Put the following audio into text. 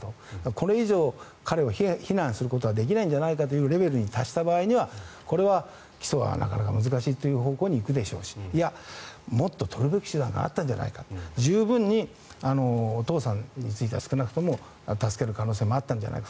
これ以上、彼を非難することはできないんじゃないかというレベルに達した場合にはこれは起訴はなかなか難しいという方向に行くでしょうしいや、もっと取るべき手段があったんじゃないか十分に、お父さんについては少なくとも助かる可能性もあったんじゃないか